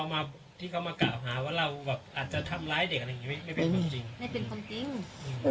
ไม่เป็นคนจริง